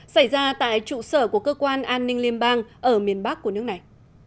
xảy ra tại trụ sở của cơ quan an ninh liên bang ở miền bắc của nước này